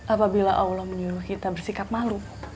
apabila allah menyuruh kita bersikap malu